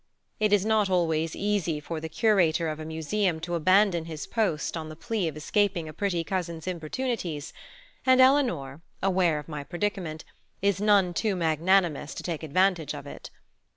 It is not always easy for the curator of a museum to abandon his post on the plea of escaping a pretty cousin's importunities; and Eleanor, aware of my predicament, is none too magnanimous to take advantage of it.